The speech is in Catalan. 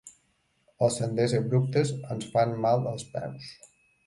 Els senders abruptes ens fan mal als peus.